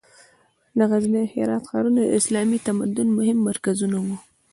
د غزني او هرات ښارونه د اسلامي تمدن مهم مرکزونه وو.